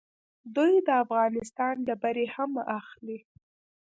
دوی د افغانستان ډبرې هم اخلي.